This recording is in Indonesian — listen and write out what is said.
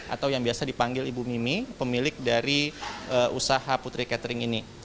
atau yang biasa dipanggil ibu mimi pemilik dari usaha putri catering ini